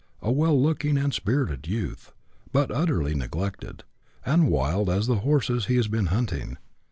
149 '— a well looking and spirited youth, but utterly neglected, and wild as the horses he has been hunting.